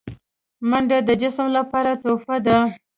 منډه د جسم لپاره تحفه ده